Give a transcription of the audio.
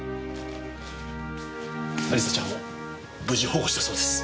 亜里沙ちゃんを無事保護したそうです。